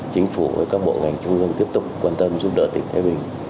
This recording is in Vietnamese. chính phủ với các bộ ngành trung ương tiếp tục quan tâm giúp đỡ tỉnh thái bình